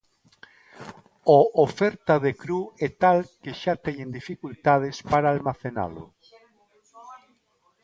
O oferta de cru é tal que xa teñen dificultades para almacenalo.